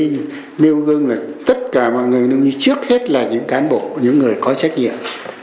nhưng nêu gương là tất cả mọi người nếu như trước hết là những cán bộ những người có trách nhiệm